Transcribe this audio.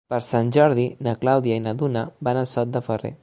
Per Sant Jordi na Clàudia i na Duna van a Sot de Ferrer.